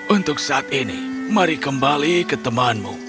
untuk saat ini mari kembali ke temanmu